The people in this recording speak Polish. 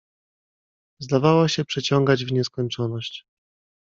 "Zdawała się przeciągać w nieskończoność."